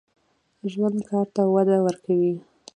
ژوندي کار ته وده ورکوي